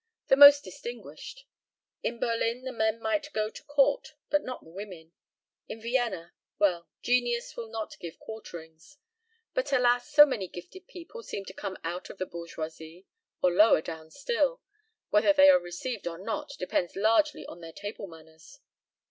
the most distinguished. In Berlin the men might go to court but not the women. In Vienna well, genius will not give quarterings. But alas! so many gifted people seem to come out of the bourgeoisie, or lower down still whether they are received or not depends largely on their table manners."